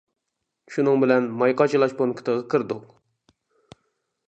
شۇنىڭ بىلەن ماي قاچىلاش پونكىتىغا كىردۇق.